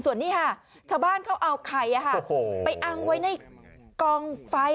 ส่วนนี้ค่ะชาวบ้านเขาเอาไข่ไปอังไว้ในกองไฟ